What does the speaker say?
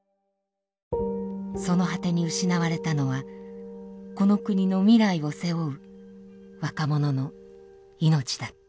その果てに失われたのはこの国の未来を背負う若者の命だった。